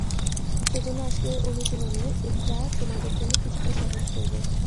সেজন্য আজকের অনুশীলনে, এটা তোমাদের জন্য কিছুটা সহজ করবো।